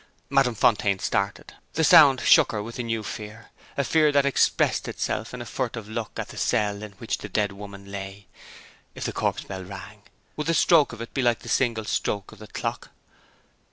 Madame Fontaine started. The sound shook her with a new fear a fear that expressed itself in a furtive look at the cell in which the dead woman lay. If the corpse bell rang, would the stroke of it be like the single stroke of the clock?